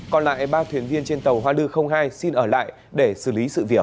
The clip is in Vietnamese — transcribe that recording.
còn lại ba thuyền viên trên tàu hoa lư hai xin ở lại để xử lý sự việc